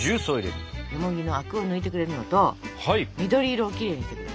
よもぎのアクを抜いてくれるのと緑色をきれいにしてくれます。